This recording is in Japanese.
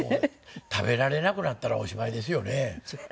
食べられなくなったらおしまいですよね。